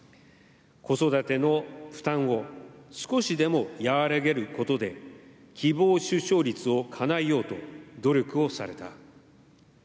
子育ての負担を少しでも和らげることで希望出生率をかなえようと努力をされた。